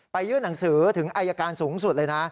ยื่นหนังสือถึงอายการสูงสุดเลยนะ